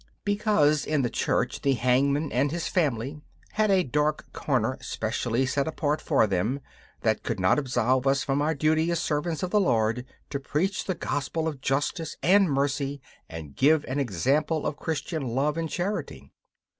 Because in the church the hangman and his family had a dark corner specially set apart for them, that could not absolve us from our duty as servants of the Lord to preach the gospel of justice and mercy and give an example of Christian love and charity.